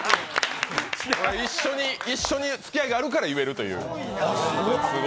一緒に付き合いがあるから言えるっていう。